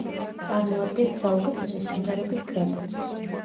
წარმოადგენს საუკეთესო სიმღერების კრებულს.